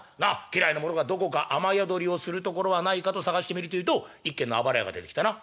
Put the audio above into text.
家来の者がどこか雨宿りをするところはないかと探してみるというと一軒のあばら家が出てきたな」。